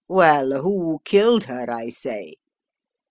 Well, who killed her, I say?